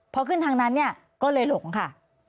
พอขึ้นทางนั้นเนี่ยก็เลยหลงค่ะ